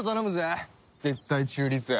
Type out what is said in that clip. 絶対中立。